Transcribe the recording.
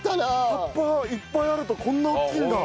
葉っぱいっぱいあるとこんな大きいんだ。